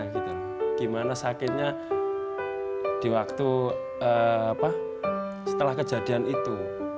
gimana sakitnya di waktu setelah kejadian itu